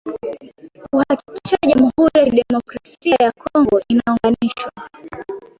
kuhakikisha jamuhuri ya kidemokrasia ya Kongo inaunganishwa